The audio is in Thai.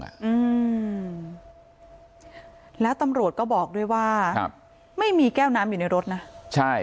อืมแล้วตำรวจก็บอกด้วยว่าครับไม่มีแก้วน้ำอยู่ในรถนะใช่